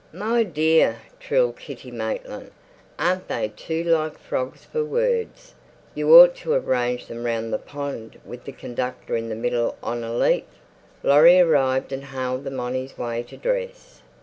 "My dear!" trilled Kitty Maitland, "aren't they too like frogs for words? You ought to have arranged them round the pond with the conductor in the middle on a leaf." Laurie arrived and hailed them on his way to dress.